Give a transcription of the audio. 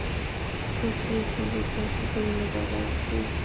সুচরিতা জিজ্ঞাসা করিল, বাবা, একি!